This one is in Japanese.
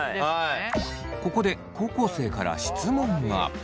ここで高校生から質問が。